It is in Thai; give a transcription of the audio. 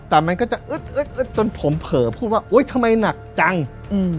แต่มันก็จะเอ๊ะเอ๊ะเอ๊ะจนผมเผลอพูดว่าโอ๊ยทำไมหนักจังอืม